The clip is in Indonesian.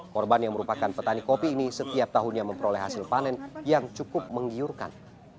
korban yang merupakan petani kopi ini setiap tahunnya memperoleh hasil panen yang cukup menggiurkan